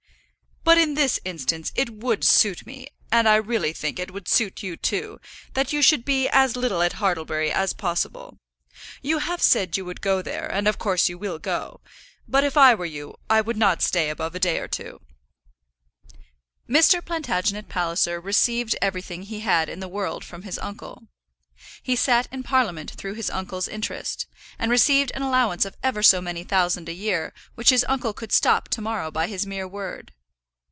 "But in this instance it would suit me, and I really think it would suit you too, that you should be as little at Hartlebury as possible. You have said you would go there, and of course you will go. But if I were you, I would not stay above a day or two." Mr. Plantagenet Palliser received everything he had in the world from his uncle. He sat in Parliament through his uncle's interest, and received an allowance of ever so many thousand a year which his uncle could stop to morrow by his mere word.